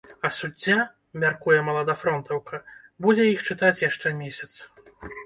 А суддзя, мяркуе маладафронтаўка, будзе іх чытаць яшчэ месяц.